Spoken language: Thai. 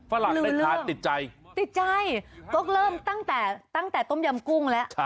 ฝรั่งได้ทานติดใจติดใจก็เริ่มตั้งแต่ตั้งแต่ต้มยำกุ้งแล้ว